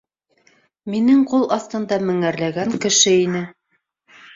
Минең ҡул аҫтында меңәрләгән кеше ине!